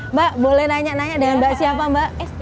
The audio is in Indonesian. mbak boleh nanya nanya dengan mbak siapa mbak